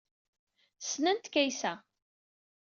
Ssnent Kaysa.